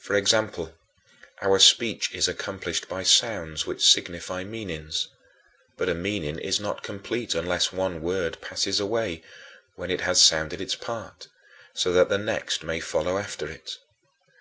For example, our speech is accomplished by sounds which signify meanings, but a meaning is not complete unless one word passes away, when it has sounded its part, so that the next may follow after it.